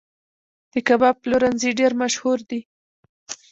د کباب پلورنځي ډیر مشهور دي